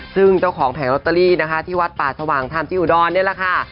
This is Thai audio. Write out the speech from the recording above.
ซึ่งเจ้าของแผงลอตเตอรี่นะคะที่วัดป่าสว่างธรรมที่อุดรนี่แหละค่ะ